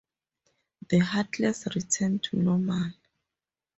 The Heartless return to normal.